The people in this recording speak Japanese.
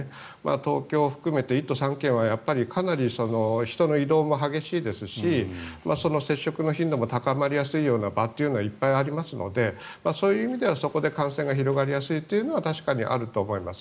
東京を含めて１都３県はかなり人の移動も激しいですしその接触の頻度も高まりやすいような場というのもいっぱいありますのでそういう意味ではそこで感染が広がりやすいというのは確かにあると思います。